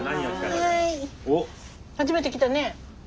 初めて来たね。